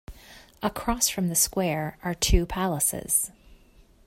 Across from the square are two palaces.